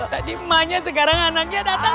tadi emaknya sekarang anaknya datang